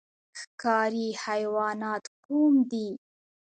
ښکاري حیوانات کوم دي؟